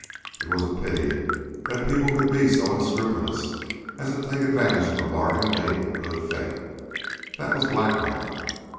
It was a pity that people could be so unscrupulous as to take advantage of a bargain made in good faith. That was blackmail.